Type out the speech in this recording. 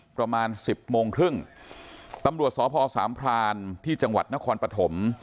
ประมาณสิบโมงครึ่งตำรวจสพสามพรานที่จังหวัดนครปฐม